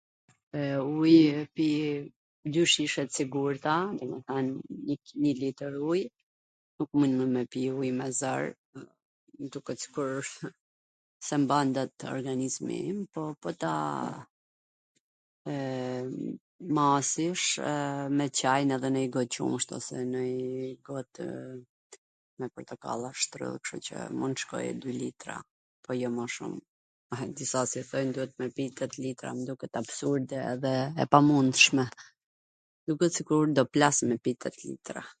E. ujw pi dy shishe t sigurta, nji litwr uj, nuk mundem me pi uj me zor, m duket sikur wsht, s e mban dot organizmi im, po, po ta masish me Cain ose me njw got qumwsht, njw got me portokalla shtrydh, kshtu qw mun shkoj dy litra, po jo ma shum, disa si thojn me pi tet litra, m duket absurde edhe e pamundshme, duket sikur un do plas me pi tet litra.